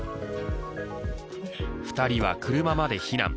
２人は車まで避難。